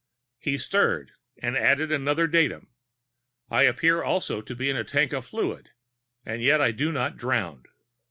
He stirred, and added another datum: I appear also to be in a tank of fluid and yet I do not drown.